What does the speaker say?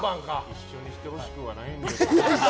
一緒にしてほしくはないな。